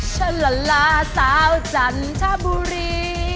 ชะละลาสาวจันทบุรี